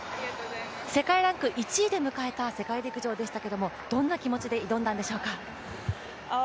世界ランク１位で迎えた世界陸上でしたけれども、どんな気持ちで挑んだんでしょうか？